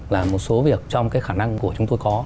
là một số việc trong cái khả năng của chúng tôi có